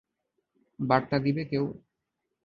বার্তা দিবে কেউ?